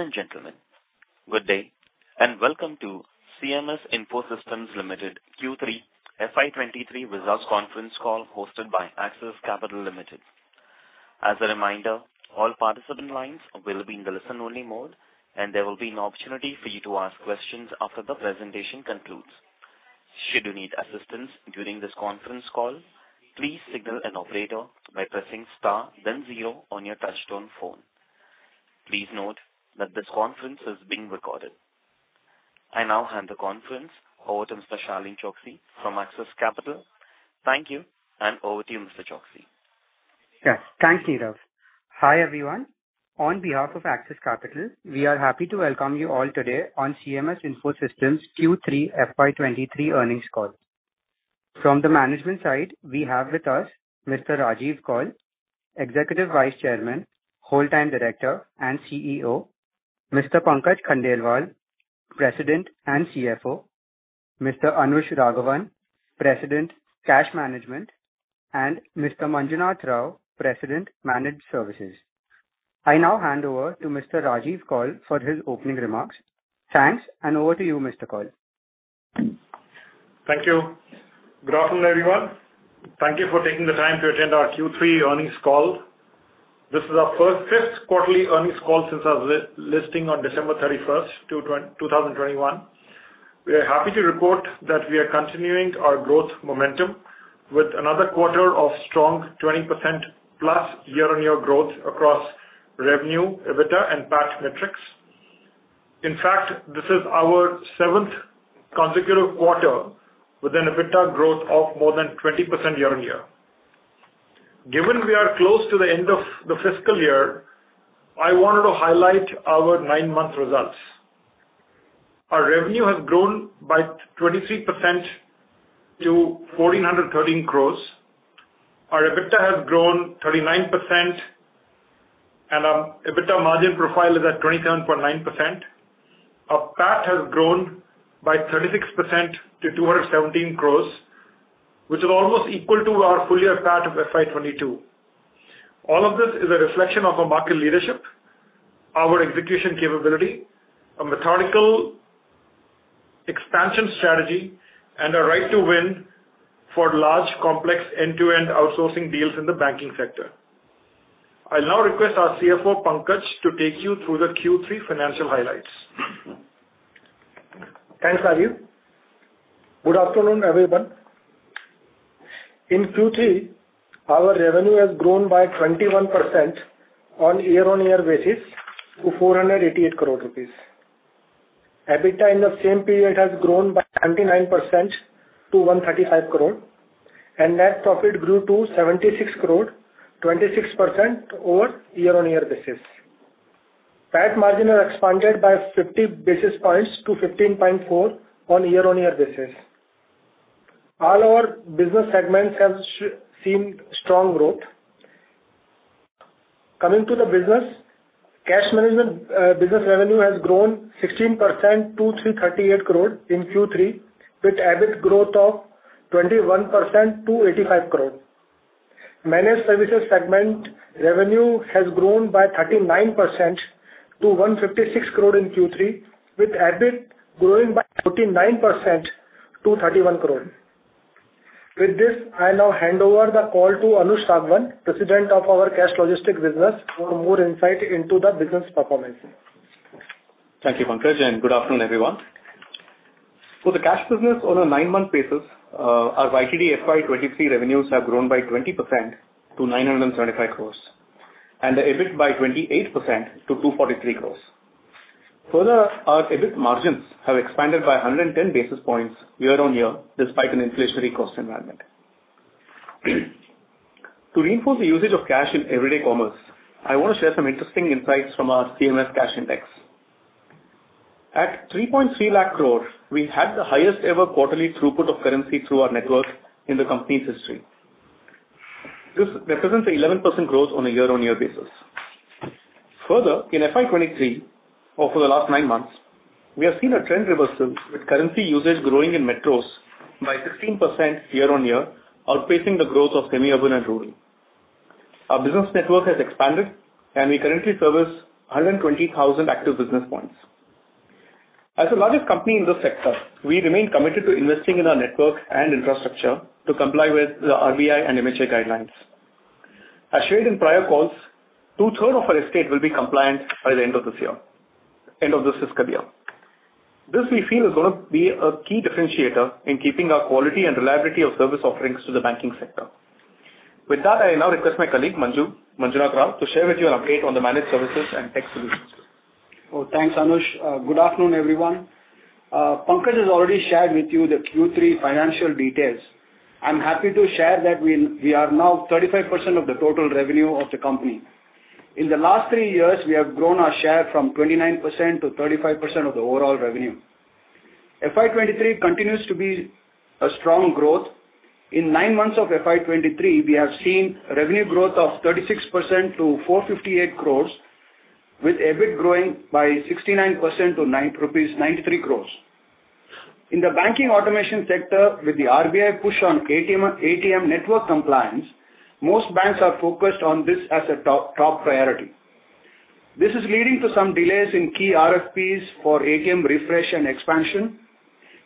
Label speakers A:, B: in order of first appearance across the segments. A: Ladies and gentlemen, good day, welcome to CMS Info Systems Limited Q3 FY23 results conference call hosted by Axis Capital Limited. As a reminder, all participant lines will be in the listen-only mode, and there will be an opportunity for you to ask questions after the presentation concludes. Should you need assistance during this conference call, please signal an operator by pressing star then zero on your touchtone phone. Please note that this conference is being recorded. I now hand the conference over to Mr. Shalin Choksey from Axis Capital. Thank you, and over to you, Mr. Choksey.
B: Yes. Thank you, Nirav. Hi, everyone. On behalf of Axis Capital, we are happy to welcome you all today on CMS Info Systems Q3 FY23 earnings call. From the management side, we have with us Mr. Rajiv Kaul, Executive Vice Chairman, Whole Time Director, and CEO, Mr. Pankaj Khandelwal, President and CFO, Mr. Anush Raghavan, President, Cash Management, and Mr. Manjunath Rao, President, Managed Services. I now hand over to Mr. Rajiv Kaul for his opening remarks. Thanks, and over to you, Mr. Kaul.
C: Thank you. Good afternoon, everyone. Thank you for taking the time to attend our Q3 earnings call. This is our first fifth quarterly earnings call since our listing on December 31st, 2021. We are happy to report that we are continuing our growth momentum with another quarter of strong 20%+ year-on-year growth across revenue, EBITDA, and PAT metrics. In fact, this is our 7th consecutive quarter with an EBITDA growth of more than 20% year-on-year. Given we are close to the end of the fiscal year, I wanted to highlight our nine-month results. Our revenue has grown by 23% to 1,413 crores. Our EBITDA has grown 39%, and our EBITDA margin profile is at 27.9%. Our PAT has grown by 36% to 217 crore, which is almost equal to our full year PAT of FY 2022. All of this is a reflection of our market leadership, our execution capability, a methodical expansion strategy, and a right to win for large, complex end-to-end outsourcing deals in the banking sector. I now request our CFO, Pankaj, to take you through the Q3 financial highlights.
D: Thanks, Rajiv. Good afternoon, everyone. In Q3, our revenue has grown by 21% on year-on-year basis to 488 crore rupees. EBITDA in the same period has grown by 99% to 135 crore. Net profit grew to 76 crore, 26% over year-on-year basis. PAT margin has expanded by 50 basis points to 15.4% on year-on-year basis. All our business segments have seen strong growth. Coming to the business, cash management business revenue has grown 16% to 338 crore in Q3, with EBIT growth of 21% to 85 crore. Managed services segment revenue has grown by 39% to 156 crore in Q3, with EBIT growing by 49% to 31 crore. With this, I now hand over the call to Anush Raghavan, President of our Cash Logistics business, for more insight into the business performance.
E: Thank you, Pankaj. Good afternoon, everyone. For the cash business on a nine-month basis, our YTD FY 2023 revenues have grown by 20% to 975 crores and the EBIT by 28% to 243 crores. Our EBIT margins have expanded by 110 basis points year-on-year despite an inflationary cost environment. To reinforce the usage of cash in everyday commerce, I want to share some interesting insights from our CMS Cash Index. At 3.3 lakh crore, we had the highest ever quarterly throughput of currency through our network in the company's history. This represents 11% growth on a year-on-year basis. In FY 2023 or for the last nine months, we have seen a trend reversal with currency usage growing in metros by 16% year-on-year, outpacing the growth of semi-urban and rural. Our business network has expanded, and we currently service 120,000 active business points. As the largest company in this sector, we remain committed to investing in our network and infrastructure to comply with the RBI and MHA guidelines. As shared in prior calls, two-third of our estate will be compliant by the end of this year. End of this fiscal year. This, we feel, is gonna be a key differentiator in keeping our quality and reliability of service offerings to the banking sector. With that, I now request my colleague, Manjunath Rao to share with you an update on the managed services and tech solutions.
F: Thanks, Anush. Good afternoon, everyone. Pankaj has already shared with you the Q3 financial details. I'm happy to share that we are now 35% of the total revenue of the company. In the last three years, we have grown our share from 29% to 35% of the overall revenue. FY 2023 continues to be a strong growth. In nine months of FY 2023, we have seen revenue growth of 36% to 458 crores, with EBIT growing by 69% to 93 crores. In the banking automation sector with the RBI push on ATM network compliance, most banks are focused on this as a top priority. This is leading to some delays in key RFPs for ATM refresh and expansion.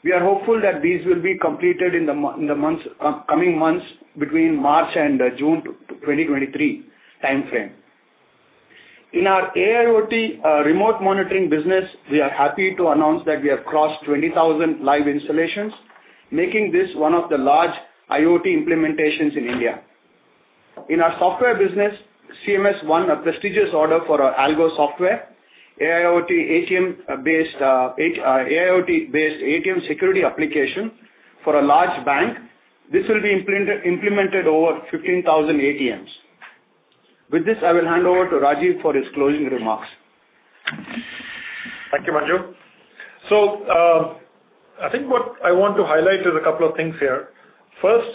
F: We are hopeful that these will be completed in the months, coming months between March and June 2023 timeframe. In our AIoT remote monitoring business, we are happy to announce that we have crossed 20,000 live installations, making this one of the large IoT implementations in India. In our software business, CMS won a prestigious order for our ALGO software, AIoT-based ATM security application for a large bank. This will be implemented over 15,000 ATMs. With this, I will hand over to Rajiv for his closing remarks.
C: Thank you, Manju. I think what I want to highlight is a couple of things here. First,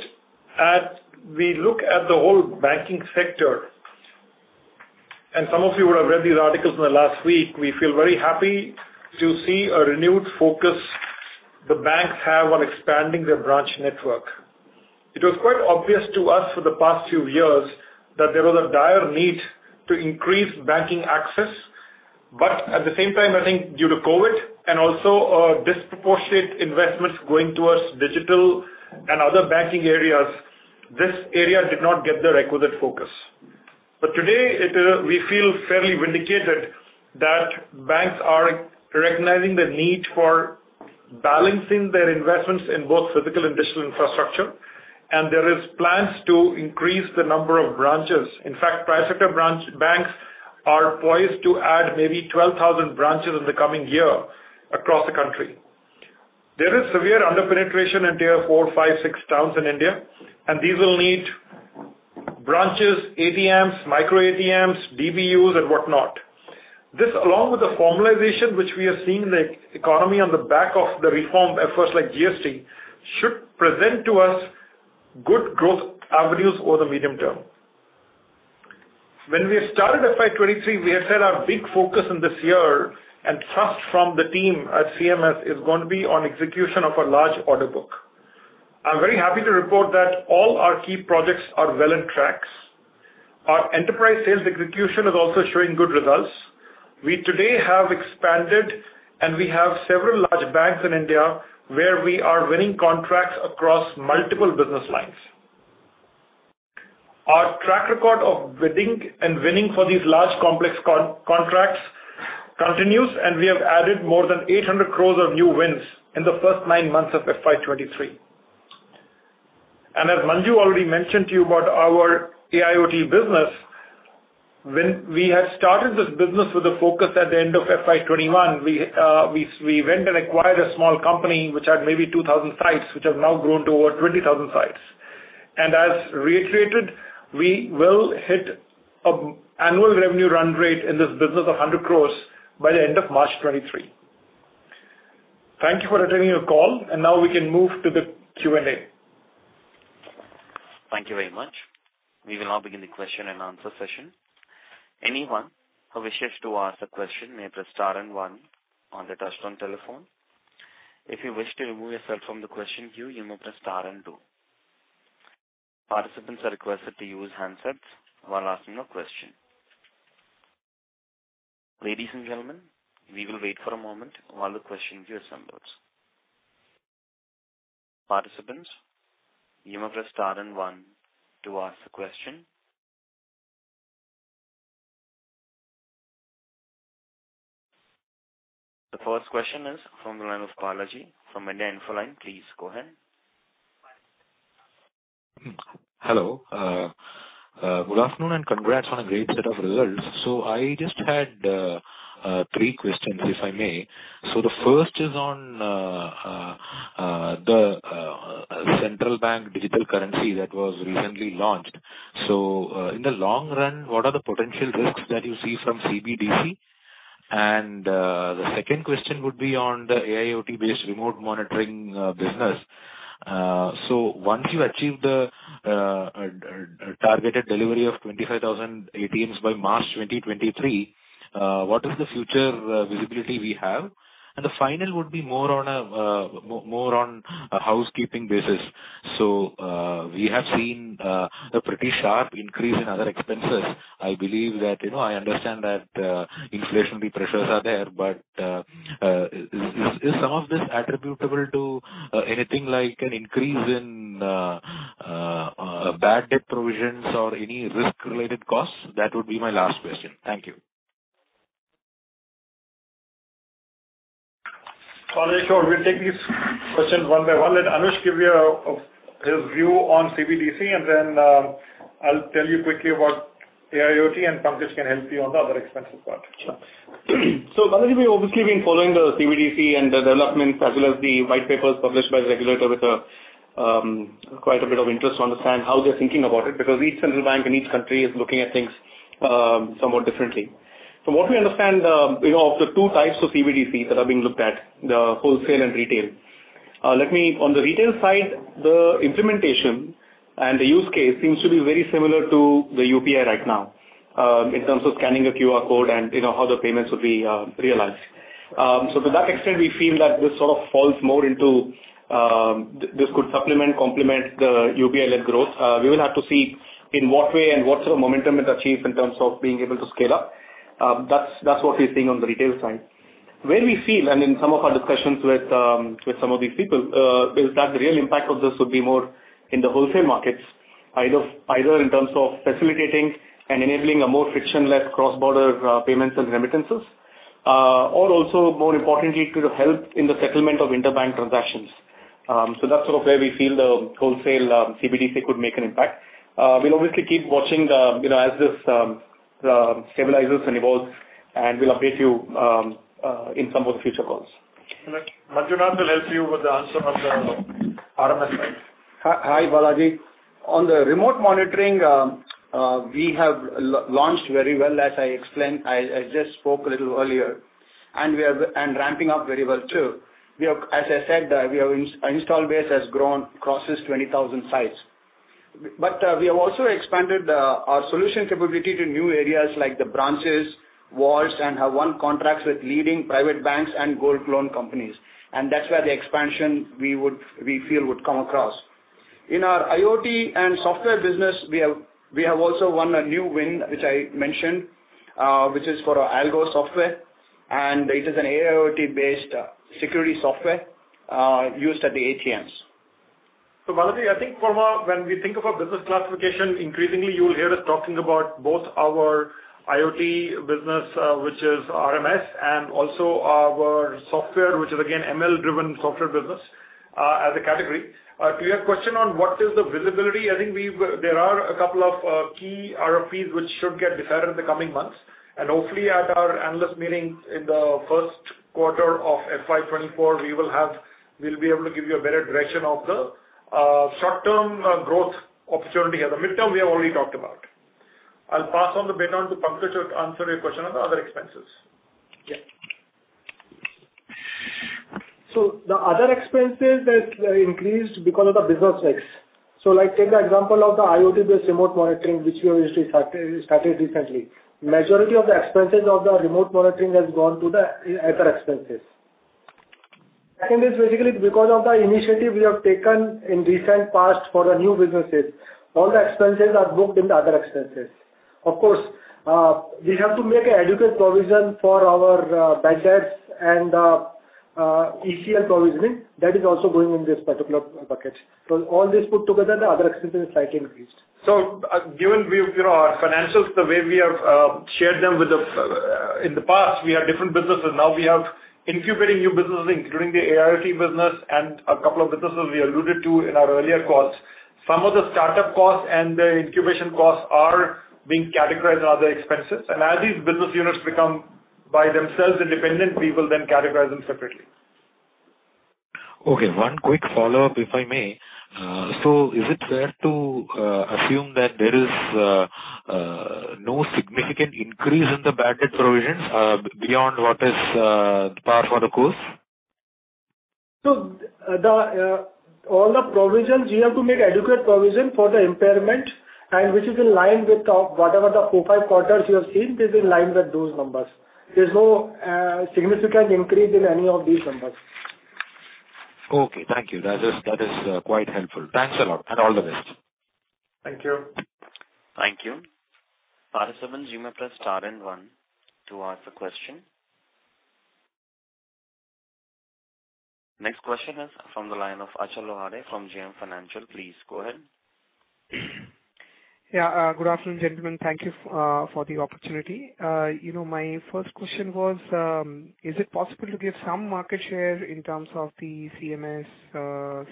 C: as we look at the whole banking sector, and some of you would have read these articles in the last week, we feel very happy to see a renewed focus the banks have on expanding their branch network. It was quite obvious to us for the past few years that there was a dire need to increase banking access. At the same time, I think due to COVID and also disproportionate investments going towards digital and other banking areas, this area did not get the requisite focus. Today it, we feel fairly vindicated that banks are recognizing the need for balancing their investments in both physical and digital infrastructure. There is plans to increase the number of branches. In fact, private sector branch banks are poised to add maybe 12,000 branches in the coming year across the country. There is severe under-penetration in tier four, five, six towns in India, and these will need branches, ATMs, Micro ATMs, DBUs and whatnot. This, along with the formalization which we are seeing in the economy on the back of the reform efforts like GST, should present to us good growth avenues over the medium term. When we started FY 2023, we had said our big focus in this year and thrust from the team at CMS is going to be on execution of a large order book. I'm very happy to report that all our key projects are well on tracks. Our enterprise sales execution is also showing good results. We today have expanded and we have several large banks in India where we are winning contracts across multiple business lines. Our track record of bidding and winning for these large complex contracts continues, and we have added more than 800 crore of new wins in the first nine months of FY 2023. As Manju already mentioned to you about our AIoT business, when we had started this business with a focus at the end of FY 2021, we went and acquired a small company which had maybe 2,000 sites, which have now grown to over 20,000 sites. As reiterated, we will hit an annual revenue run rate in this business of 100 crore by the end of March 2023. Thank you for attending your call. Now we can move to the Q&A.
A: Thank you very much. We will now begin the question and answer session. Anyone who wishes to ask a question may press star and one on their touchtone telephone. If you wish to remove yourself from the question queue, you may press star and two. Participants are requested to use handsets while asking a question. Ladies and gentlemen, we will wait for a moment while the question queue assembles. Participants, you may press star and one to ask the question. The first question is from the line of Balaji from India Infoline. Please go ahead.
G: Hello. Good afternoon, and congrats on a great set of results. I just had three questions, if I may. The first is on the central bank digital currency that was recently launched. In the long run, what are the potential risks that you see from CBDC? The second question would be on the AIoT-based remote monitoring business. Once you achieve the targeted delivery of 25,000 ATMs by March 2023, what is the future visibility we have? The final would be more on a more on a housekeeping basis. We have seen a pretty sharp increase in other expenses. I believe that, you know, I understand that, inflationary pressures are there, but, is some of this attributable to, anything like an increase in, bad debt provisions or any risk-related costs? That would be my last question. Thank you.
C: Balaji, sure. We'll take these questions one by one. Let Anush give you his view on CBDC, and then I'll tell you quickly about AIoT, and Pankaj can help you on the other expenses part.
E: Sure. Balaji, we've obviously been following the CBDC and the development, as well as the white papers published by the regulator with quite a bit of interest to understand how they're thinking about it, because each central bank in each country is looking at things somewhat differently. From what we understand, you know, of the two types of CBDCs that are being looked at, the wholesale and retail. On the retail side, the implementation The use case seems to be very similar to the UPI right now, in terms of scanning a QR code and you know, how the payments will be realized. To that extent, we feel that this sort of falls more into, this could supplement, complement the UPI-led growth. We will have to see in what way and what sort of momentum it achieves in terms of being able to scale up. That's what we're seeing on the retail side. Where we feel, and in some of our discussions with some of these people, is that the real impact of this would be more in the wholesale markets, either in terms of facilitating and enabling a more frictionless cross-border, payments and remittances. Also more importantly, it could have helped in the settlement of interbank transactions. That's sort of where we feel the wholesale CBDC could make an impact. We'll obviously keep watching. You know, as this stabilizes and evolves, and we'll update you in some of the future calls.
C: Thank you. Manjunath will help you with the answer on the RMS side.
F: Hi, Balaji. On the remote monitoring, we have launched very well, as I explained. I just spoke a little earlier. We are ramping up very well too. As I said, our install base has grown, crosses 20,000 sites. But we have also expanded our solution capability to new areas like the branches, vaults, and have won contracts with leading private banks and gold loan companies. That's where the expansion we would, we feel would come across. In our IoT and software business, we have also won a new win, which I mentioned, which is for our ALGO software, and it is an AIoT-based security software used at the ATMs.
C: Balaji, I think when we think of our business classification, increasingly you'll hear us talking about both our IoT business, which is RMS, and also our software, which is again ML-driven software business, as a category. To your question on what is the visibility, I think there are a couple of key RFPs which should get decided in the coming months. Hopefully at our analyst meeting in the first quarter of FY 2024, we'll be able to give you a better direction of the short-term growth opportunity. At the midterm, we have already talked about. I'll pass on the baton to Pankaj to answer your question on the other expenses.
F: Yeah.
D: The other expenses that increased because of the business mix. Like, take the example of the IoT-based remote monitoring, which we obviously started recently. Majority of the expenses of the remote monitoring has gone to the other expenses. Second is basically because of the initiative we have taken in recent past for the new businesses. All the expenses are booked in the other expenses. Of course, we have to make an adequate provision for our bad debts and ECL provisioning. That is also going in this particular bucket. All this put together, the other expenses slightly increased.
C: Given we've, you know, our financials, the way we have shared them with the. In the past, we had different businesses. Now we have incubating new businesses, including the AIoT business and a couple of businesses we alluded to in our earlier calls. Some of the startup costs and the incubation costs are being categorized as other expenses. As these business units become by themselves independent, we will then categorize them separately.
E: Okay, one quick follow-up, if I may. Is it fair to assume that there is no significant increase in the bad debt provisions beyond what is par for the course?
D: The, all the provisions, we have to make adequate provision for the impairment and which is in line with, whatever the four, five quarters you have seen, this is in line with those numbers. There's no significant increase in any of these numbers.
G: Okay, thank you. That is quite helpful. Thanks a lot. All the best.
C: Thank you.
A: Thank you. R7, you may press star and one to ask a question. Next question is from the line of Achal Lohade from JM Financial. Please go ahead.
H: Good afternoon, gentlemen. Thank you, for the opportunity. You know, my first question was, is it possible to give some market share in terms of the CMS,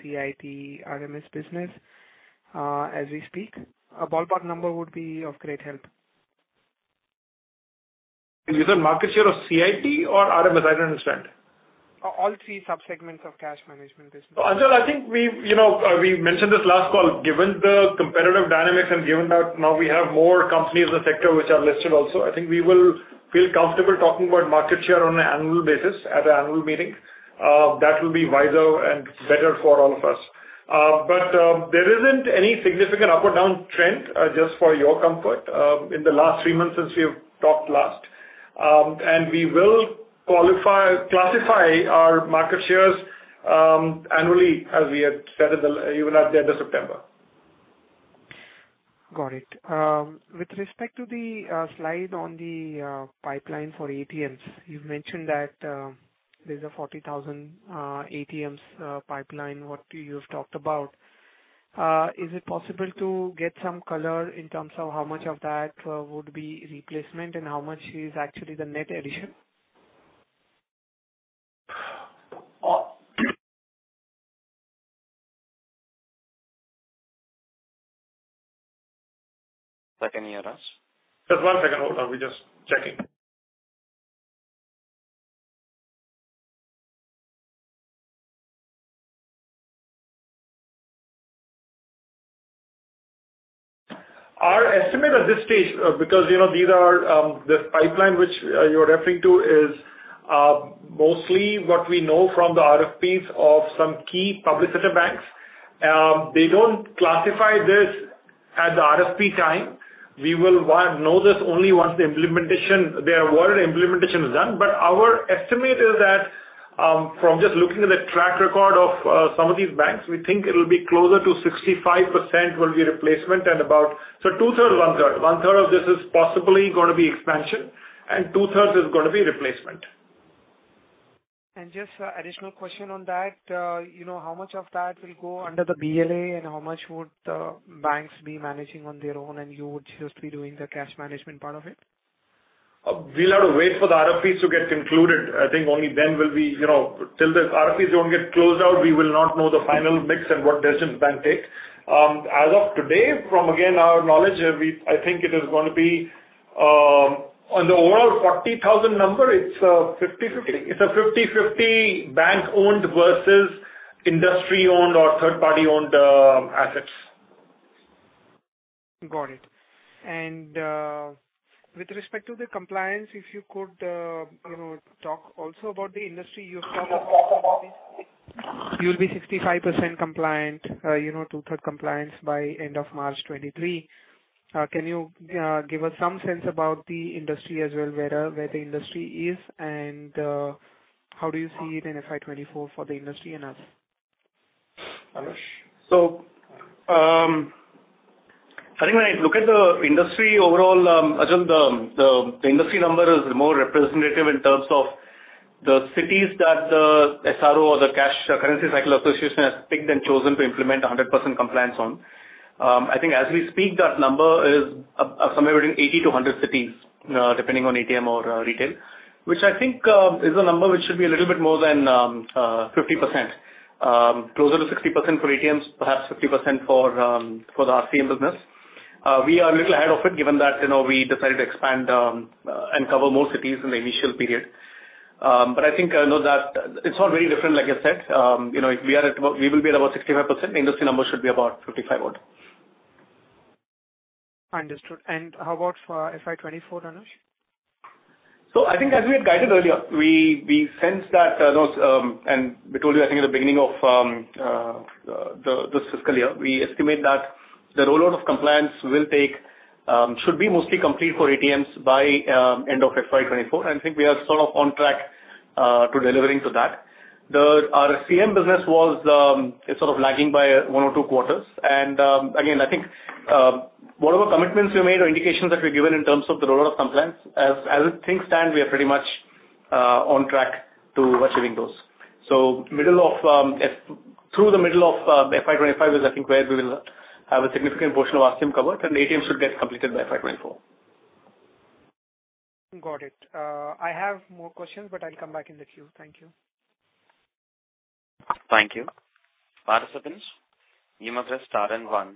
H: CIT, RMS business, as we speak? A ballpark number would be of great help.
C: Is it market share of CIT or RMS? I didn't understand.
H: All three sub-segments of cash management business.
C: Achal, I think we've, you know, we mentioned this last call, given the competitive dynamics and given that now we have more companies in the sector which are listed also, I think we will feel comfortable talking about market share on an annual basis at our annual meeting. That will be wiser and better for all of us. There isn't any significant up or down trend, just for your comfort, in the last 3 months since we have talked last. We will classify our market shares annually as we had said even at the end of September.
H: Got it. With respect to the slide on the pipeline for ATMs, you've mentioned that there's a 40,000 ATMs pipeline, what you've talked about. Is it possible to get some color in terms of how much of that would be replacement and how much is actually the net addition?
C: Uh.
A: Second year asks.
C: Just one second, hold on. We're just checking.
E: Our estimate at this stage, because, you know, these are, this pipeline which, you're referring to is, mostly what we know from the RFPs of some key public sector banks. They don't classify this at the RFP time. We will know this only once the implementation, their award implementation is done. Our estimate is that, from just looking at the track record of, some of these banks, we think it'll be closer to 65% will be replacement and about. Two-third, one-third. One-third of this is possibly gonna be expansion and two-thirds is gonna be replacement.
H: Just additional question on that. You know, how much of that will go under the BLA, and how much would banks be managing on their own and you would just be doing the cash management part of it?
E: We'll have to wait for the RFPs to get concluded. I think only then will we, you know. Till the RFPs don't get closed out, we will not know the final mix and what decisions bank takes. As of today, from, again, our knowledge, we, I think it is gonna be, on the overall 40,000 number, it's 50/50. It's a 50/50 bank-owned versus industry-owned or third party-owned, assets.
H: Got it. With respect to the compliance, if you could, you know, talk also about the industry you'll be 65% compliant, you know, two-third compliance by end of March 2023. Can you, give us some sense about the industry as well, where the industry is, and, how do you see it in FY 2024 for the industry and us?
E: I think when I look at the industry overall, Achal, the industry number is more representative in terms of the cities that the SRO or the Currency Cycle Association has picked and chosen to implement 100% compliance on. I think as we speak, that number is somewhere between 80-100 cities, depending on ATM or retail, which I think is a number which should be a little bit more than 50%. Closer to 60% for ATMs, perhaps 50% for the RCM business. We are a little ahead of it given that, you know, we decided to expand and cover more cities in the initial period. I think, you know, that it's not very different, like I said. you know, if we are at about, we will be at about 65%, the industry number should be about 55 odd.
H: Understood. How about for FY 2024, Anush?
E: I think as we had guided earlier, we sensed that those, and we told you, I think at the beginning of this fiscal year, we estimate that the rollout of compliance will take, should be mostly complete for ATMs by end of FY 2024. I think we are sort of on track to delivering to that. Our RCM business was, it's sort of lagging by one or two quarters. Again, I think whatever commitments we made or indications that we've given in terms of the rollout of compliance, as things stand, we are pretty much on track to achieving those. Middle of through the middle of FY 2025 is I think where we will have a significant portion of RCM covered, and ATMs should get completed by FY 2024.
H: Got it. I have more questions, I'll come back in the queue. Thank you.
A: Thank you. Participants, you may press star and 1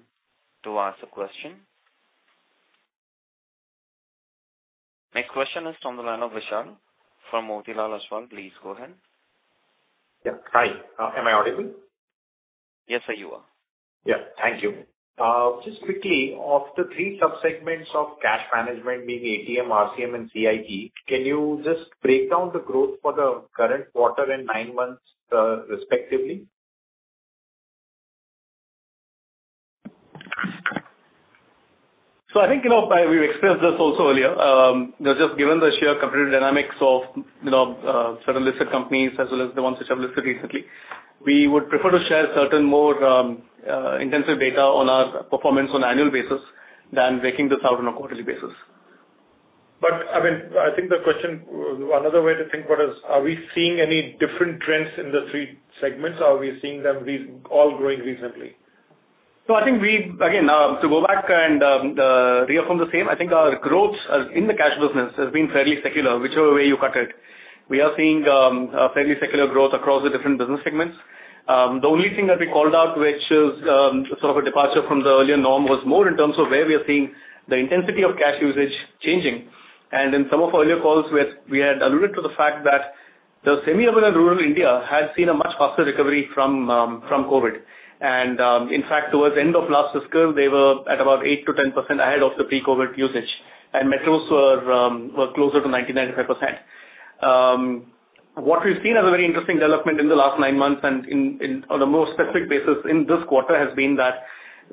A: to ask a question. Next question is from the line of Vishal from Motilal Oswal. Please go ahead.
I: Yeah. Hi. Am I audible?
A: Yes, sir, you are.
I: Yeah. Thank you. Just quickly, of the three sub-segments of cash management, being ATM, RCM and CIT, can you just break down the growth for the current quarter and nine months, respectively?
E: I think, you know, we've expressed this also earlier. You know, just given the sheer competitive dynamics of, you know, certain listed companies as well as the ones which have listed recently, we would prefer to share certain more intensive data on our performance on annual basis than breaking this out on a quarterly basis.
I: I mean, I think the question, another way to think what is, are we seeing any different trends in the three segments? Are we seeing them all growing recently?
E: I think we... Again, to go back and reaffirm the same, I think our growth in the cash business has been fairly secular, whichever way you cut it. We are seeing a fairly secular growth across the different business segments. The only thing that we called out, which is sort of a departure from the earlier norm, was more in terms of where we are seeing the intensity of cash usage changing. And in some of our earlier calls, we had alluded to the fact that the semi-urban and rural India had seen a much faster recovery from from COVID. And in fact, towards end of last fiscal, they were at about 8%-10% ahead of the pre-COVID usage, and metros were closer to 90%-95%. What we've seen as a very interesting development in the last nine months and on a more specific basis in this quarter, has been that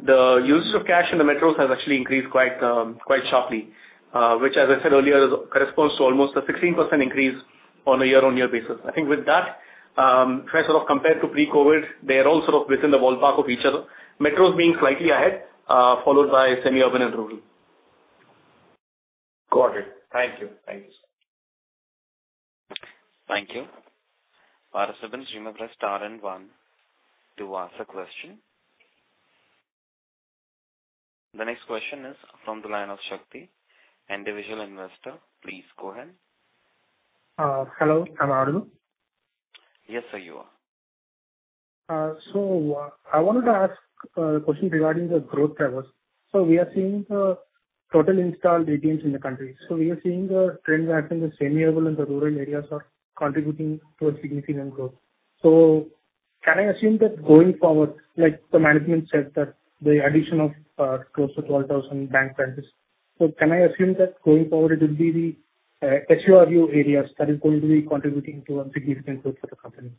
E: the usage of cash in the metros has actually increased quite sharply, which as I said earlier, corresponds to almost a 16% increase on a year-on-year basis. I think with that, if I sort of compare to pre-COVID, they are all sort of within the ballpark of each other. Metros being slightly ahead, followed by semi-urban and rural.
I: Got it. Thank you. Thank you, sir.
A: Thank you. Participants, you may press star and one to ask a question. The next question is from the line of Shakthi, individual investor. Please go ahead.
J: Hello, can you hear me?
A: Yes, sir, you are.
J: I wanted to ask a question regarding the growth drivers. We are seeing the total installed ATMs in the country. We are seeing the trends happening in semi-urban and the rural areas are contributing towards significant growth. Can I assume that going forward, like the management said, that the addition of close to 12,000 bank branches? Can I assume that going forward it will be the Tier 2, 3 areas that is going to be contributing to a significant growth for the company?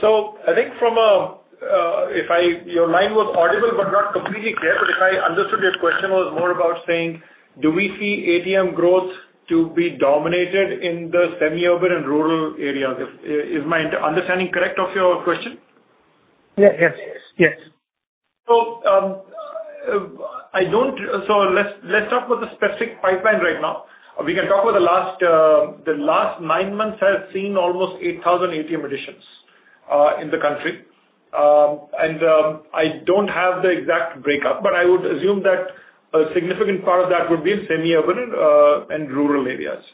C: I think If I, your line was audible but not completely clear, but if I understood, your question was more about saying, do we see ATM growth to be dominated in the semi-urban and rural areas? Is my understanding correct of your question?
J: Yes. Yes. Yes.
C: Let's talk about the specific pipeline right now. We can talk about the last nine months has seen almost 8,000 ATM additions in the country. I don't have the exact breakup, but I would assume that a significant part of that would be in semi-urban and rural areas.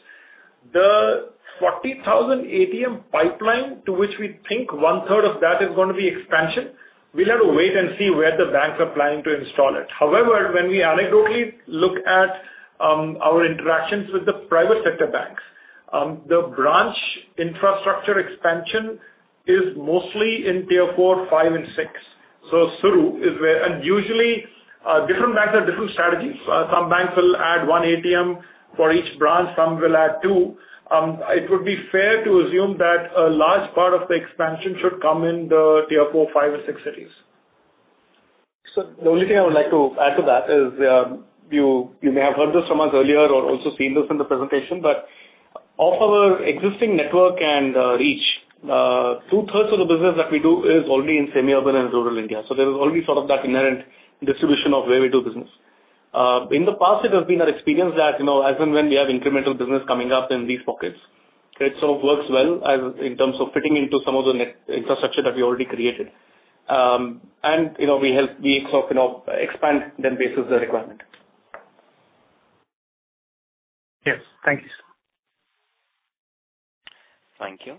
C: The 40,000 ATM pipeline to which we think 1/3 of that is gonna be expansion, we'll have to wait and see where the banks are planning to install it. When we anecdotally look at our interactions with the private sector banks, the branch infrastructure expansion is mostly in Tier 4, 5 and 6. SURU is where. Usually, different banks have different strategies. Some banks will add one ATM for each branch, some will add two. It would be fair to assume that a large part of the expansion should come in the Tier 4, 5 and 6 cities.
E: The only thing I would like to add to that is, you may have heard this from us earlier or also seen this in the presentation, but of our existing network and reach, 2/3 of the business that we do is already in semi-urban and rural India. There is already sort of that inherent distribution of where we do business. In the past it has been our experience that, you know, as and when we have incremental business coming up in these pockets, it sort of works well as in terms of fitting into some of the net infrastructure that we already created. You know, we help, we sort of, you know, expand then basis the requirement.
J: Yes. Thank you, sir.
A: Thank you.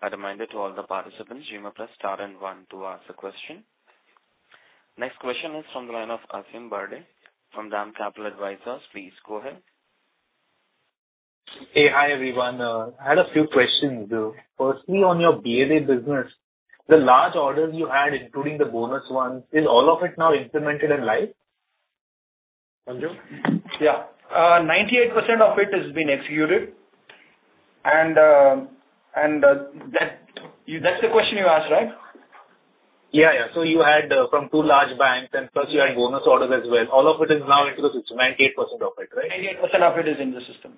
A: A reminder to all the participants, press star and one to ask a question. Next question is from the line of Aasim Bharde from DAM Capital Advisors. Please go ahead.
K: Hey. Hi, everyone. I had a few questions. Firstly on your BLA business, the large orders you had including the bonus ones, is all of it now implemented and live?
C: Manju?
F: Yeah. 98% of it has been executed and that's the question you asked, right?
K: Yeah, yeah. You had from two large banks and plus you had bonus orders as well. All of it is now into the system, 98% of it, right?
F: 98% of it is in the system.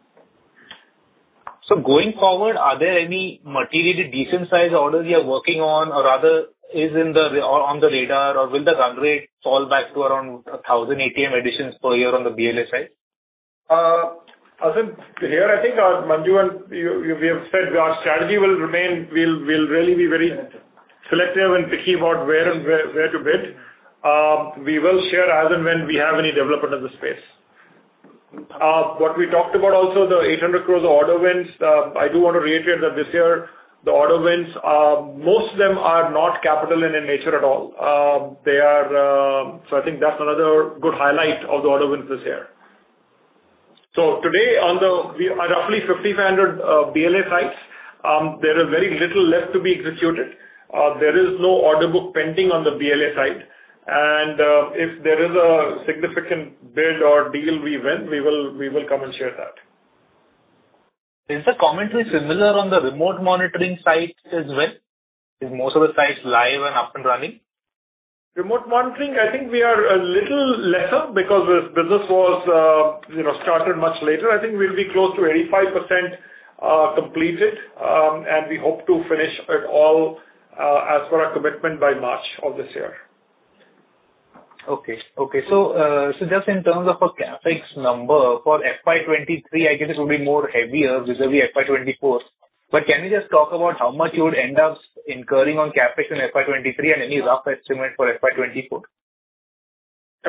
K: Going forward, are there any materially decent size orders you're working on or rather is in the, or on the radar or will the run rate fall back to around 1,000 ATM additions per year on the BLA side?
C: Aasim, here I think Manju and you, we have said our strategy will remain. We'll really be very selective and picky about where to bid. We will share as and when we have any development in the space. What we talked about also, the 800 crore order wins, I do want to reiterate that this year the order wins, most of them are not capital in nature at all. They are. I think that's another good highlight of the order wins this year. Today on the roughly 5,500 BLA sites, there is very little left to be executed. There is no order book pending on the BLA side. If there is a significant bid or deal we win, we will come and share that.
K: Is the commentary similar on the remote monitoring side as well? Is most of the sites live and up and running?
C: Remote monitoring, I think we are a little lesser because this business was, you know, started much later. I think we'll be close to 85% completed. We hope to finish it all as per our commitment by March of this year.
K: Okay. Okay. Just in terms of a CapEx number for FY 2023, I guess it will be more heavier vis-a-vis FY 2024. Can you just talk about how much you would end up incurring on CapEx in FY 2023 and any rough estimate for FY 2024?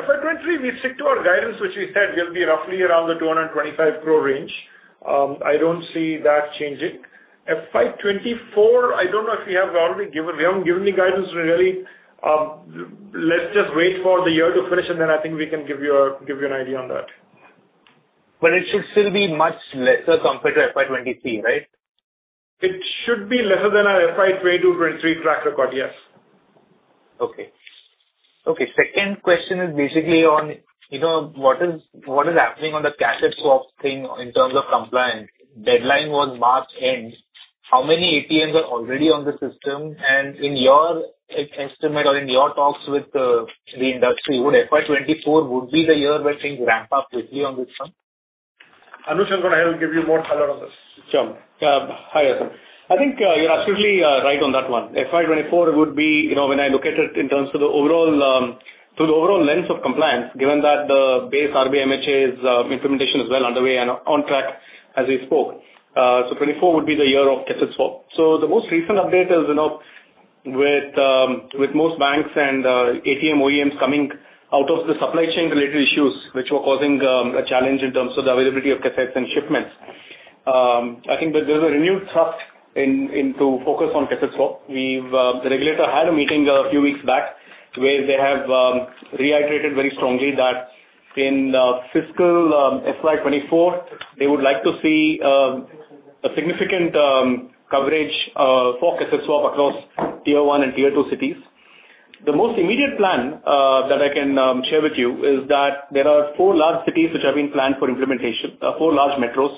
C: FY 2023, we stick to our guidance, which we said will be roughly around the 225 crore range. I don't see that changing. FY 2024, I don't know if we have already given. We haven't given any guidance really. Let's just wait for the year to finish and then I think we can give you an idea on that.
K: It should still be much lesser compared to FY 2023, right?
C: It should be lesser than our FY 2022-2023 track record. Yes.
K: Okay. Okay. Second question is basically on, you know, what is, what is happening on the cassette swap thing in terms of compliance. Deadline was March end. How many ATMs are already on the system? In your estimate or in your talks with, the industry, would FY 2024 would be the year when things ramp up quickly on this front?
C: Anush, I'm gonna have give you more color on this.
E: Sure. Yeah. Hi, Aasim. I think, you're absolutely right on that one. FY 2024 would be, you know, when I look at it in terms of the overall, to the overall lens of compliance, given that the base RBI/MHA's implementation is well underway and on track as we spoke. 2024 would be the year of cassette swap. The most recent update is, you know, with most banks and ATM OEMs coming out of the supply chain related issues which were causing a challenge in terms of the availability of cassettes and shipments. I think that there's a renewed thrust in to focus on cassette swap. We've. The regulator had a meeting a few weeks back where they have reiterated very strongly that in fiscal FY24, they would like to see a significant coverage for cassette swap across Tier 1 and Tier 2 cities. The most immediate plan that I can share with you is that there are 4 large cities which are being planned for implementation. Four large metros,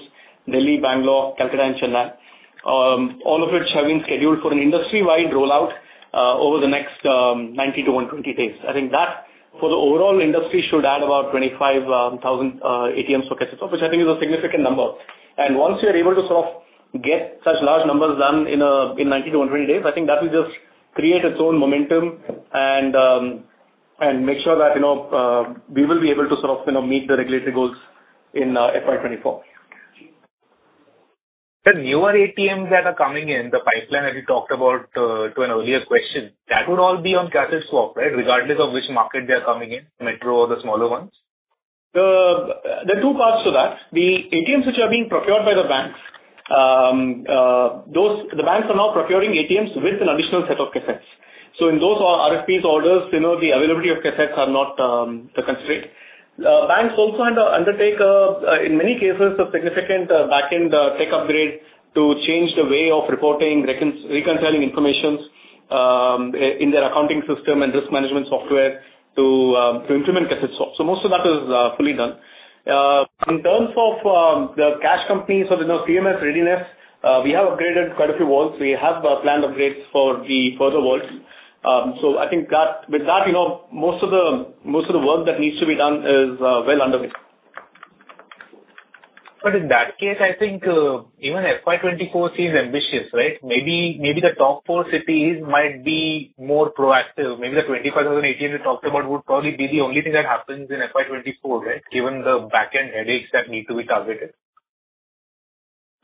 E: Delhi, Bangalore, Calcutta and Chennai. All of which have been scheduled for an industry-wide rollout over the next 90-120 days. I think that for the overall industry should add about 25,000 ATMs for cassette swap, which I think is a significant number. Once you're able to sort of get such large numbers done in a, in 90 to 120 days, I think that will just create its own momentum and make sure that, you know, we will be able to sort of, you know, meet the regulatory goals in, FY 2024.
K: Sir, newer ATMs that are coming in the pipeline, as you talked about, to an earlier question, that would all be on cassette swap, right? Regardless of which market they are coming in, metro or the smaller ones.
E: There are two parts to that. The ATMs which are being procured by the banks, those, the banks are now procuring ATMs with an additional set of cassettes. In those RFPs orders, you know, the availability of cassettes are not the constraint. Banks also undertake in many cases, a significant back-end tech upgrade to change the way of reporting reconciling informations in their accounting system and risk management software to implement cassette swap. Most of that is fully done. In terms of the cash companies or, you know, CMS readiness, we have upgraded quite a few vaults. We have planned upgrades for the further vaults. I think that with that, you know, most of the work that needs to be done is well underway.
K: In that case, I think even FY 2024 seems ambitious, right? Maybe, maybe the top four cities might be more proactive. Maybe the 2,500 ATMs you talked about would probably be the only thing that happens in FY 2024, right? Given the back-end headaches that need to be targeted.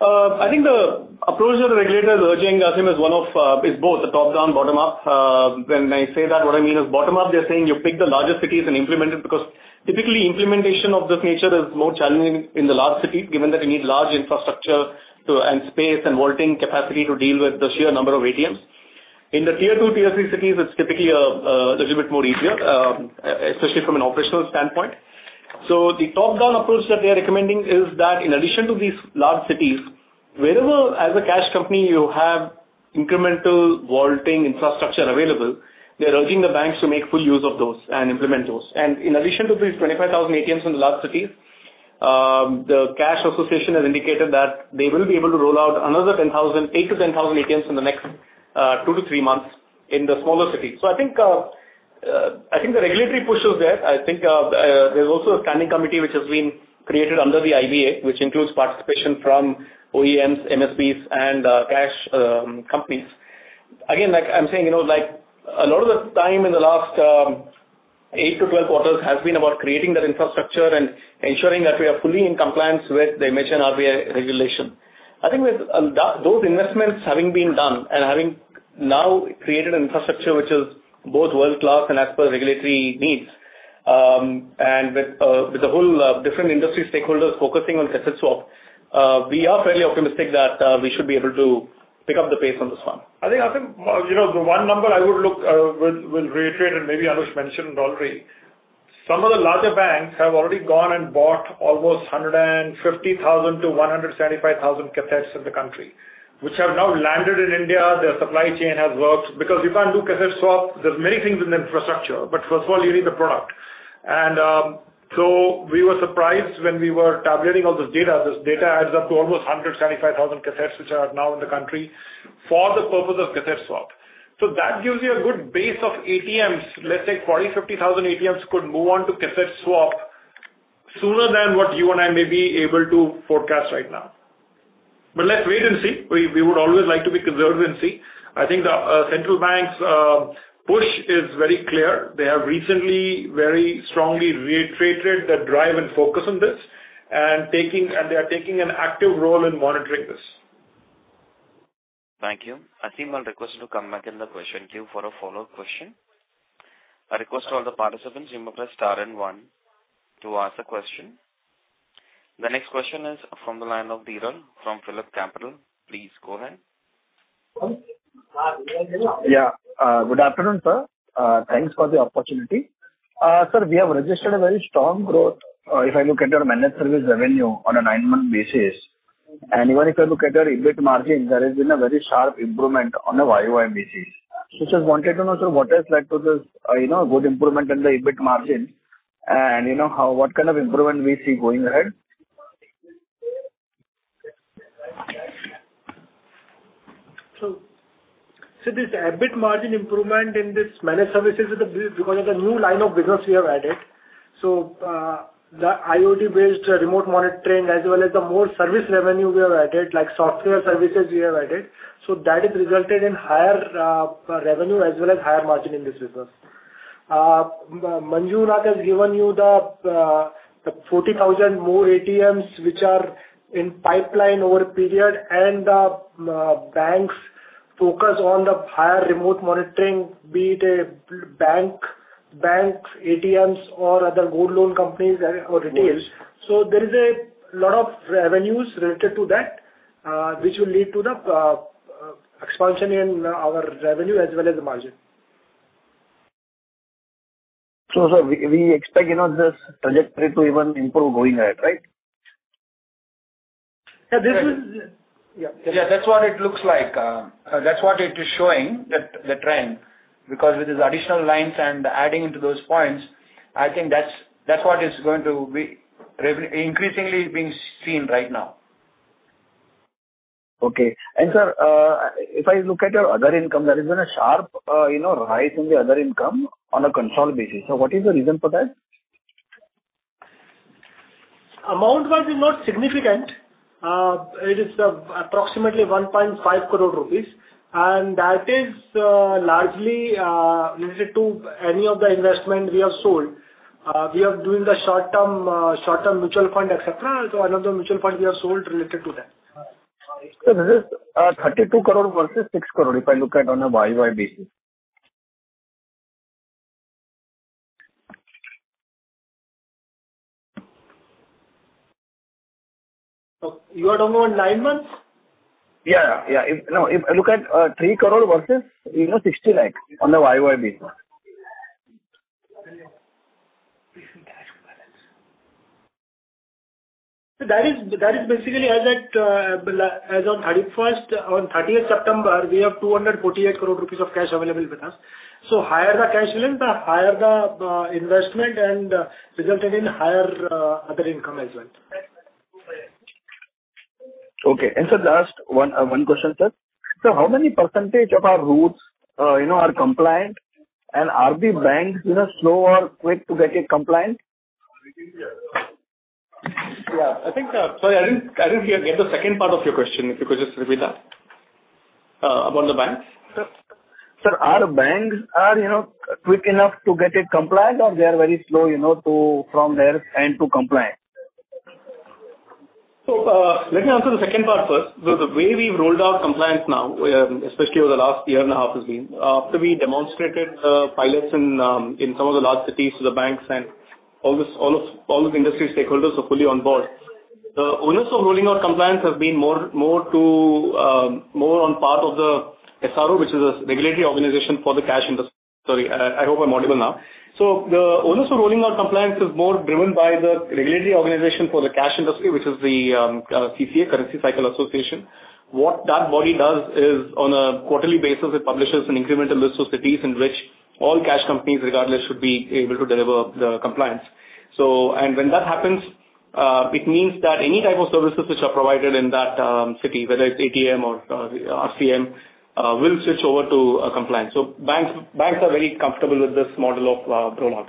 E: I think the approach that the regulator is urging, Aasim, is one of, is both the top-down, bottom-up. When I say that, what I mean is bottom-up, they're saying you pick the largest cities and implement it, because typically implementation of this nature is more challenging in the large city, given that you need large infrastructure to, and space and vaulting capacity to deal with the sheer number of ATMs. In the tier two, tier three cities, it's typically a little bit more easier, especially from an operational standpoint. The top-down approach that they are recommending is that in addition to these large cities, wherever as a cash company you have incremental vaulting infrastructure available, they are urging the banks to make full use of those and implement those. In addition to these 25,000 ATMs in the large cities, the Currency Cycle Association has indicated that they will be able to roll out another 10,000, 8,000-10,000 ATMs in the next two to three months in the smaller cities. I think, I think the regulatory push is there. I think there's also a standing committee which has been created under the IBA, which includes participation from OEMs, MSPs and cash companies. Again, like I'm saying, you know, like a lot of the time in the last eight to 12 quarters has been about creating that infrastructure and ensuring that we are fully in compliance with the mentioned RBI regulation. I think with, that, those investments having been done and having now created an infrastructure which is both world-class and as per regulatory needs, and with the whole, different industry stakeholders focusing on cassette swap, we are fairly optimistic that, we should be able to pick up the pace on this one.
C: I think, Aasim, you know, the one number I would look, will reiterate and maybe Anush mentioned it already. Some of the larger banks have already gone and bought almost 150,000-175,000 cassettes in the country, which have now landed in India. Their supply chain has worked because you can't do cassette swap. There's many things in the infrastructure, but first of all, you need the product. So we were surprised when we were tabulating all this data. This data adds up to almost 175,000 cassettes, which are now in the country for the purpose of cassette swap. That gives you a good base of ATMs. Let's say 40,000-50,000 ATMs could move on to cassette swap sooner than what you and I may be able to forecast right now. Let's wait and see. We would always like to be conservative and see. I think the central bank's push is very clear. They have recently very strongly reiterated the drive and focus on this and they are taking an active role in monitoring this.
A: Thank you. Aasim, I'll request you to come back in the question queue for a follow-up question. I request all the participants you may press star and one to ask a question. The next question is from the line of Dhiral from PhillipCapital. Please go ahead.
L: Yeah. Good afternoon, sir. Thanks for the opportunity. Sir, we have registered a very strong growth. If I look at your Managed Services revenue on a nine-month basis, and even if I look at your EBIT margin, there has been a very sharp improvement on a YoY basis. Just wanted to know, sir, what has led to this, you know, good improvement in the EBIT margin and you know, how, what kind of improvement we see going ahead?
D: This EBIT margin improvement in this managed services is because of the new line of business we have added. The IoT-based remote monitoring as well as the more service revenue we have added, like software services we have added. That has resulted in higher revenue as well as higher margin in this business. Manjunath has given you the 40,000 more ATMs which are in pipeline over a period and the banks Focus on the higher remote monitoring, be it a bank ATMs or other gold loan companies or retails. There is a lot of revenues related to that, which will lead to the expansion in our revenue as well as margin.
L: Sir, we expect, you know, this trajectory to even improve going ahead, right?
D: Yeah. This is...
E: Yeah. That's what it looks like. That's what it is showing, the trend. With these additional lines and adding into those points, I think that's what is going to be re-increasingly being seen right now.
L: Okay. Sir, if I look at your other income, there has been a sharp, you know, rise in the other income on a console basis. What is the reason for that?
D: Amount-wise is not significant. It is approximately 1.5 crore rupees, and that is largely related to any of the investment we have sold. We are doing the short-term mutual fund, et cetera. Another mutual fund we have sold related to that.
L: Sir, this is 32 crore versus 6 crore, if I look at on a YY basis.
D: You are talking about nine months?
L: Yeah, yeah. If, no, if look at, 3 crore versus, you know, 60 lakh on the YoY basis.
D: Sir, that is basically as at as on thirty-first. On 20th September, we have 248 crore rupees of cash available with us. Higher the cash limit, the higher the investment and resulted in higher other income as well.
L: Okay. Sir, last one question, sir. How many percentage of our routes, you know, are compliant? Are the banks, you know, slow or quick to get it compliant?
E: Yeah, I think, sorry, I didn't hear the second part of your question. If you could just repeat that. About the banks.
L: Sir, are banks, you know, quick enough to get it compliant or they are very slow, you know, to from their end to compliant?
E: Let me answer the second part first. The way we've rolled out compliance now, especially over the last year and a half has been after we demonstrated pilots in some of the large cities to the banks and all this, all of the industry stakeholders are fully on board. The onus of rolling out compliance has been more to more on part of the SRO, which is a regulatory organization for the cash industry. Sorry, I hope I'm audible now. The onus of rolling out compliance is more driven by the regulatory organization for the cash industry, which is the CCA, Currency Cycle Association. What that body does is on a quarterly basis, it publishes an incremental list of cities in which all cash companies regardless should be able to deliver the compliance. When that happens, it means that any type of services which are provided in that city, whether it's ATM or RCM, will switch over to a compliance. Banks are very comfortable with this model of rollout.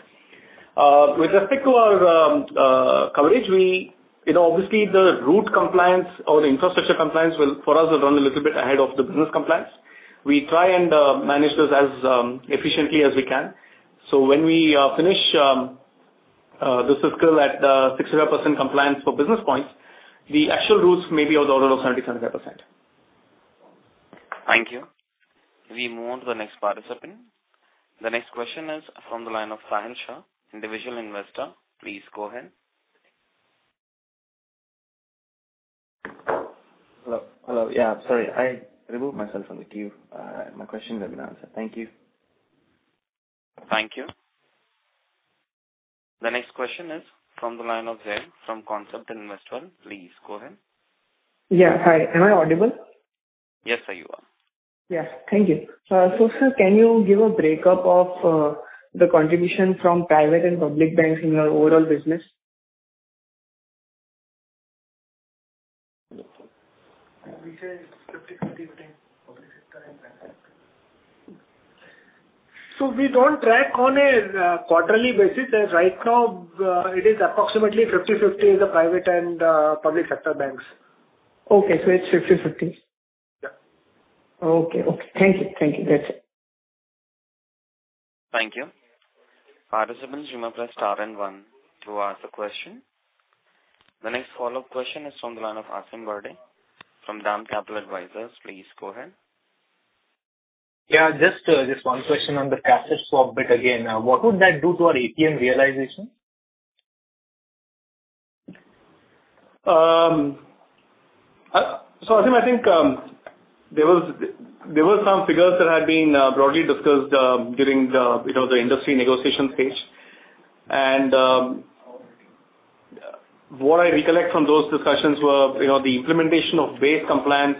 E: With respect to our coverage, we, you know, obviously the route compliance or the infrastructure compliance will for us run a little bit ahead of the business compliance. We try and manage this as efficiently as we can. When we finish the fiscal at 600% compliance for business points, the actual routes may be of the order of 70-75%.
A: Thank you. We move on to the next participant. The next question is from the line of Sahil Shah, Individual Investor. Please go ahead. Hello. Hello. Yeah. Sorry, I removed myself from the queue. My question has been answered. Thank you. Thank you. The next question is from the line of Zaid from Concept Investor. Please go ahead.
M: Yeah. Hi. Am I audible?
A: Yes, sir, you are.
M: Yeah. Thank you. Sir, can you give a breakup of the contribution from private and public banks in your overall business?
D: We say 50/50 between public sector and private sector. We don't track on a quarterly basis. Right now, it is approximately 50/50 is the private and public sector banks.
M: Okay. It's 50/50.
D: Yeah.
M: Okay. Okay. Thank you. Thank you. That's it.
A: Thank you. Participants, you may press star and one to ask a question. The next follow-up question is from the line of Aasim Bharde from DAM Capital Advisors. Please go ahead.
K: Yeah. Just one question on the cash swap bit again. What would that do to our ATM realization?
E: Aasim I think, there were some figures that had been broadly discussed during the industry negotiation stage. What I recollect from those discussions were the implementation of base compliance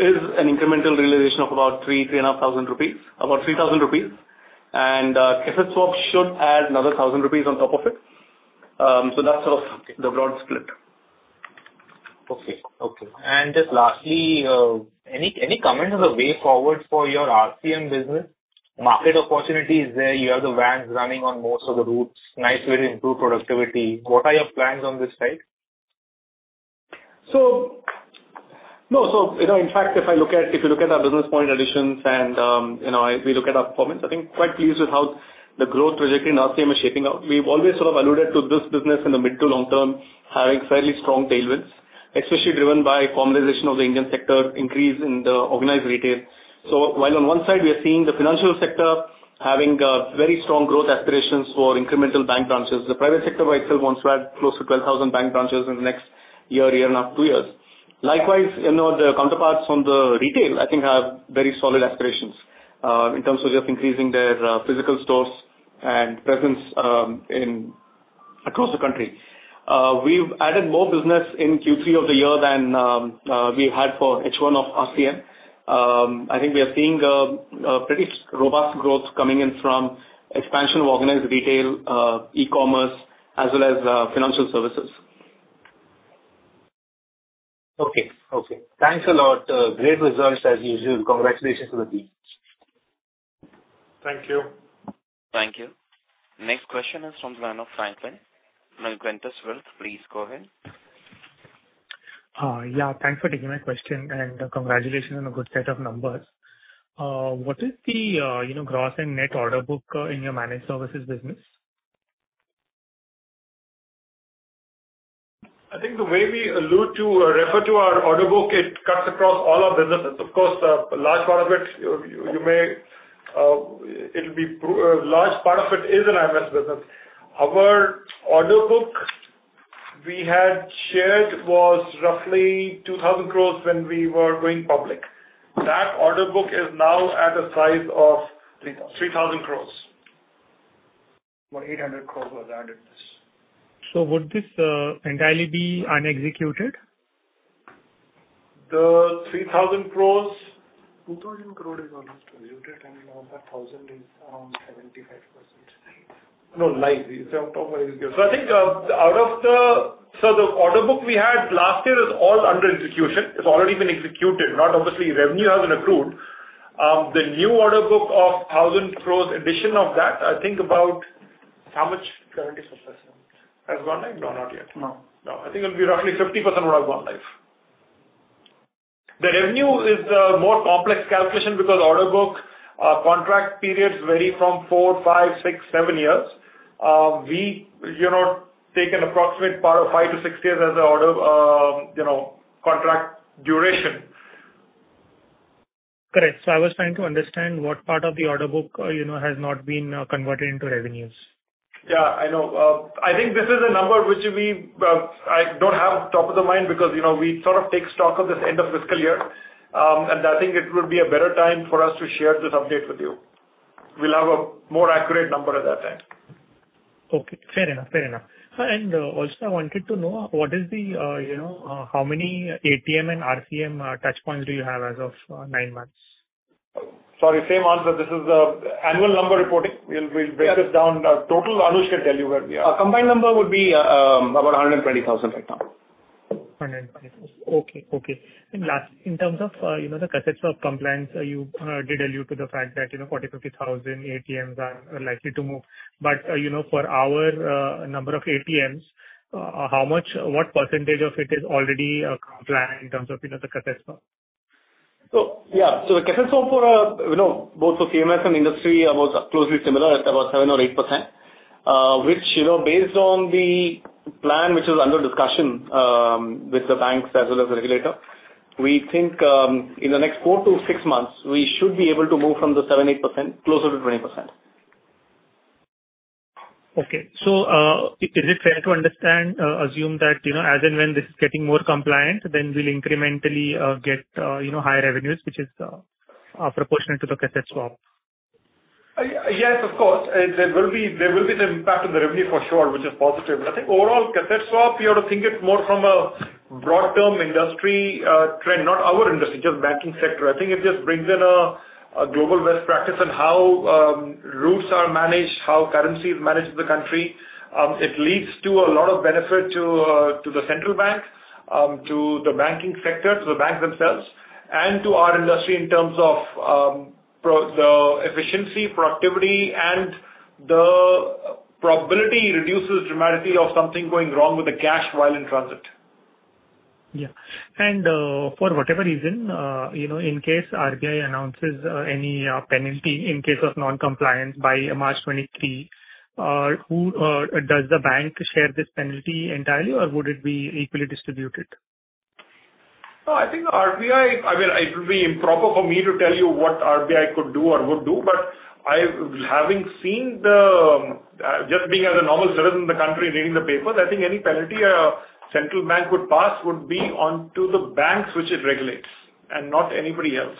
E: is an incremental realization of about 3,000, 3,500 rupees, about 3,000 rupees. cassette swap should add another 1,000 rupees on top of it. That's sort of the broad split.
K: Okay. Okay. Just lastly, any comment on the way forward for your RCM business? Market opportunity is there. You have the vans running on most of the routes. Nice way to improve productivity. What are your plans on this front?
E: No. You know, in fact, if I look at, if you look at our business point additions and, you know, we look at our performance, I think quite pleased with how the growth trajectory in RCM is shaping up. We've always sort of alluded to this business in the mid to long term, having fairly strong tailwinds, especially driven by formalization of the Indian sector, increase in the organized retail. While on one side we are seeing the financial sector having, very strong growth aspirations for incremental bank branches, the private sector by itself wants to add close to 12,000 bank branches in the next year and half, two years. Likewise, you know, the counterparts on the retail, I think have very solid aspirations, in terms of just increasing their, physical stores and presence, in across the country. we've added more business in Q3 of the year than we had for H1 of RCM. I think we are seeing a pretty robust growth coming in from expansion of organized retail, e-commerce as well as financial services.
K: Okay. Okay. Thanks a lot. Great results as usual. Congratulations to the team.
C: Thank you.
A: Thank you. Next question is from the line of Franklin Templeton Wealth. Please go ahead.
N: Yeah, thanks for taking my question, congratulations on a good set of numbers. What is the, you know, gross and net order book in your managed services business?
C: I think the way we allude to or refer to our order book, it cuts across all our businesses. Of course, a large part of it, you may, it'll be a large part of it is an IMS business. Our order book we had shared was roughly 2,000 crores when we were going public. That order book is now at a size of-
E: 3,000.
C: 3,000 crores.
E: More 800 crores was added to this.
N: Would this entirely be unexecuted?
C: The 3,000 crore.
E: 2,000 crore is almost executed, and of that 1,000 is around 75%.
C: No, live. The October is live. I think the order book we had last year is all under institution. It's already been executed, not obviously revenue has been accrued. The new order book of 1,000 crores addition of that, I think about-
E: How much currently successful?
C: Has gone live? No, not yet.
E: No.
C: No. I think it'll be roughly 50% would have gone live. The revenue is a more complex calculation because order book, contract periods vary from four, five, six, seven years. We, you know, take an approximate 5 to 6 years as a order, you know, contract duration.
N: Correct. I was trying to understand what part of the order book, you know, has not been converted into revenues.
C: Yeah, I know. I think this is a number which we, I don't have top of the mind because, you know, we sort of take stock of this end of fiscal year. I think it would be a better time for us to share this update with you. We'll have a more accurate number at that time.
N: Okay. Fair enough. Fair enough. Also I wanted to know what is the, you know, how many ATM and RCM touchpoints do you have as of nine months?
C: Sorry, same answer. This is annual number reporting. We'll, we'll break this down. Our total, Anush can tell you where we are.
E: Our combined number would be, about 120,000 right now.
N: 120. Okay. Okay. Last, in terms of, you know, the cassette swap compliance, you did allude to the fact that, you know, 40,000-50,000 ATMs are likely to move. You know, for our number of ATMs, how much, what percentage of it is already compliant in terms of, you know, the cassette swap?
E: yeah. The cassette swap for, you know, both for CMS and industry are both closely similar at about 7% or 8%. Which, you know, based on the plan which is under discussion, with the banks as well as the regulator, we think, in the next four to six months, we should be able to move from the 7%, 8% closer to 20%.
N: Is it fair to understand, assume that, you know, as and when this is getting more compliant, then we'll incrementally get, you know, higher revenues, which is proportionate to the cassette swap?
C: Yes, of course. There will be the impact on the revenue for sure, which is positive. I think overall cassette swap, you have to think it more from a broad term industry trend, not our industry, just banking sector. I think it just brings in a global best practice on how routes are managed, how currency is managed in the country. It leads to a lot of benefit to the central bank, to the banking sector, to the banks themselves, and to our industry in terms of the efficiency, productivity, and the probability reduces dramatically of something going wrong with the cash while in transit.
N: Yeah. For whatever reason, you know, in case RBI announces any penalty in case of non-compliance by March 2023, who does the bank share this penalty entirely, or would it be equally distributed?
C: I think RBI, I mean, it would be improper for me to tell you what RBI could do or would do. I've, having seen the, just being as a normal citizen in the country reading the papers, I think any penalty a central bank would pass would be onto the banks which it regulates and not anybody else.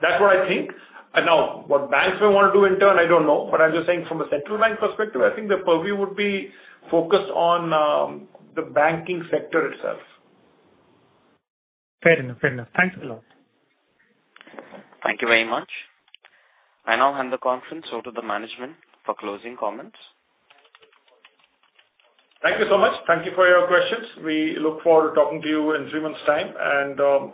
C: That's what I think. Now, what banks may wanna do in turn, I don't know. I'm just saying from a central bank perspective, I think the purview would be focused on the banking sector itself.
N: Fair enough. Fair enough. Thanks a lot.
A: Thank you very much. I now hand the conference over to the management for closing comments.
C: Thank you so much. Thank you for your questions. We look forward to talking to you in 3 months time.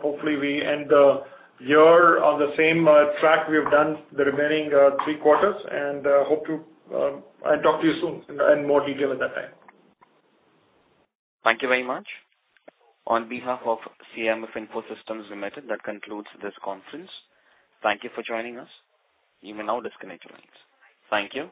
C: Hopefully we end the year on the same track we have done the remaining three quarters. Hope to talk to you soon in more detail at that time.
A: Thank you very much. On behalf of CMS Info Systems Limited, that concludes this conference. Thank you for joining us. You may now disconnect your lines. Thank you.